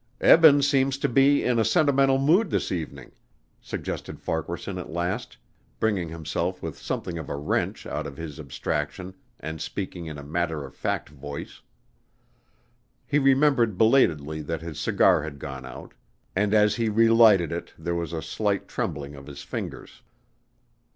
"Eben seems to be in a sentimental mood this evening," suggested Farquaharson at last, bringing himself with something of a wrench out of his abstraction and speaking in a matter of fact voice. He remembered belatedly that his cigar had gone out and as he relighted it there was a slight trembling of his fingers.